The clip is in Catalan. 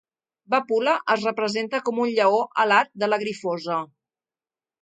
Vapula es representa com un lleó alat de la grifosa.